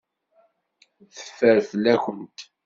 Teffer fell-akent.